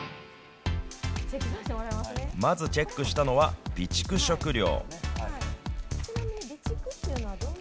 まずチェックしたのは、備蓄食料。